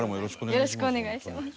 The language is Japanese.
よろしくお願いします。